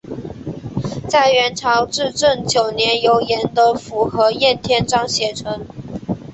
在元朝至正九年由严德甫和晏天章写成。